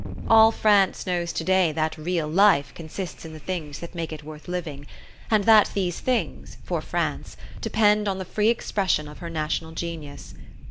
All France knows today that real "life" consists in the things that make it worth living, and that these things, for France, depend on the free expression of her national genius.